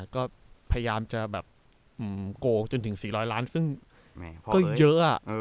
ก็พยายามจะแบบโกงจนถึง๔๐๐ล้านซึ่งก็เยอะ